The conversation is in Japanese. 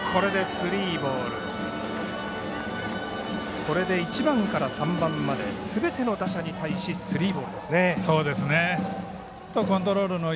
これで１番から３番まですべての打者に対しスリーボールですね。